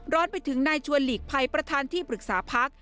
ร้อนไปถึงนายชัวร์หลีกไพรประธานที่ปรึกษาพัก